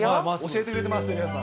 教えてくれてます。